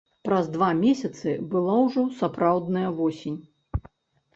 Праз два месяцы была ўжо сапраўдная восень.